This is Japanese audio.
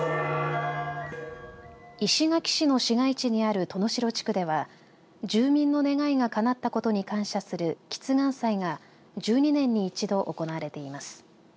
石垣市の市街地にある登野城地区では住民の願いがかなったことに感謝する結願祭が１２年に１度行われています。